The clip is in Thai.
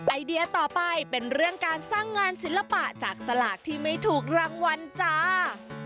ไอเดียต่อไปเป็นเรื่องการสร้างงานศิลปะจากสลากที่ไม่ถูกรางวัลจ้า